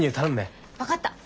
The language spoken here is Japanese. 分かった。